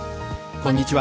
こんにちは。